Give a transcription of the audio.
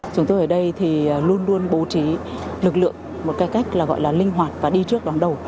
chúng tôi ở đây thì luôn luôn bố trí lực lượng một cái cách là gọi là linh hoạt và đi trước đón đầu